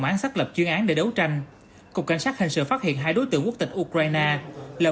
và tập truyền án để đấu tranh cục cảnh sát hình sự phát hiện hai đối tượng quốc tịch ukraine là